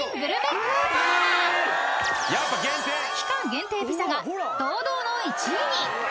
［期間限定ピザが堂々の１位に！］